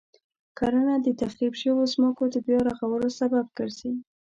کرنه د تخریب شويو ځمکو د بیا رغولو سبب ګرځي.